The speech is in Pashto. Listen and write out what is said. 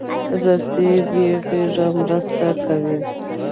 رسۍ بې غږه مرسته کوي.